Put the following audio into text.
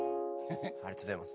ありがとうございます。